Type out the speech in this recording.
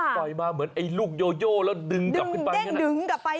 ปล่อยมาเหมือนไอ้ลูกโโยโยแล้วดึงกลับไป